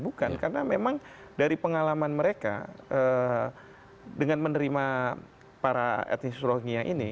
bukan karena memang dari pengalaman mereka dengan menerima para etnis rohia ini